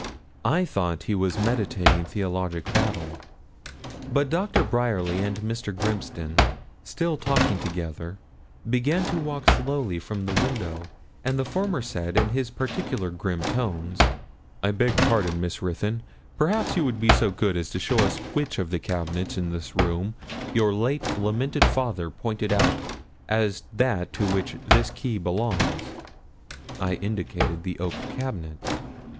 I thought he was meditating theologic battle. But Dr. Bryerly and Mr. Grimston, still talking together, began to walk slowly from the window, and the former said in his peculiar grim tones 'I beg pardon, Miss Ruthyn; perhaps you would be so good as to show us which of the cabinets in this room your late lamented father pointed out as that to which this key belongs.' I indicated the oak cabinet.